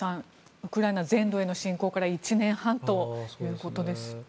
ウクライナ全土への侵攻から１年半ということです。